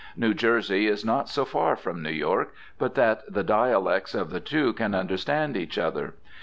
New Jersey is not so far from New York but that the dialects of the two can understand each other.